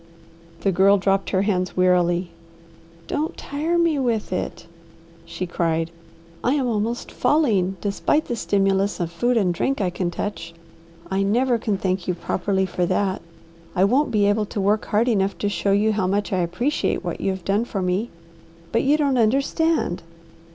The Girl dropped her hands wearily. "Don't tire me with it!" she cried. "I am almost falling despite the stimulus of food and drink I can touch. I never can thank you properly for that. I won't be able to work hard enough to show you how much I appreciate what you have done for me. But you don't understand.